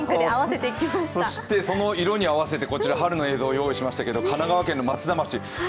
そしてその色に合わせて春の映像を用意しましたけど、神奈川県の松田町。